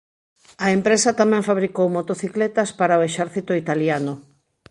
A empresa tamén fabricou motocicletas para o exército italiano.